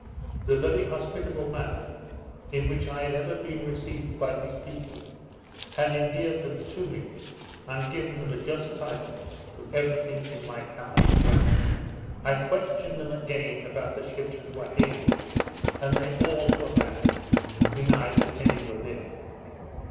The very hospitable manner in which I had ever been received by these people, had endeared them to me, and given them a just title to everything in my power to grant. I questioned them again about the ships at Huaheine; and they all, to a man, denied that any were there.